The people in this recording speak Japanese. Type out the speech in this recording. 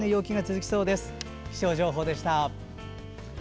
気象情報でした。